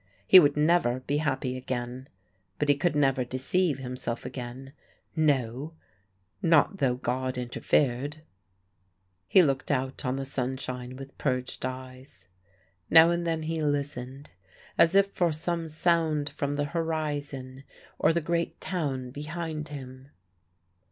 He would never be happy again, but he could never deceive himself again; no, not though God interfered. He looked out on the sunshine with purged eyes. Now and then he listened, as if for some sound from the horizon or the great town behind him.